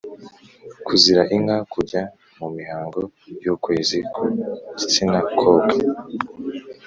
kuzira inka: kujya mu mihango y’ukwezi ku gitsina kobwa